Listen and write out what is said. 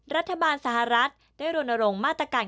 รัฐบาลสหรัฐได้รณรงค์มาตรการ